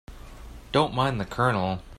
Don't mind the Colonel.